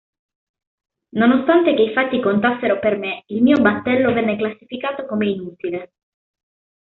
Nonostante che i fatti contassero per me, il mio battello venne classificato come inutile.